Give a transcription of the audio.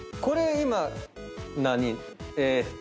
これ今何？